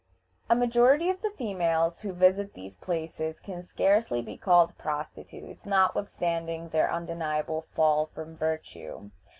A majority of the females who visit these places can scarcely be called prostitutes, notwithstanding their undeniable fall from virtue.